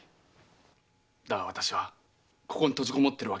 だが私はここに閉じこもっているわけにいかない。